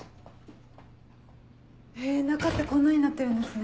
へぇ中ってこんなになってるんですね。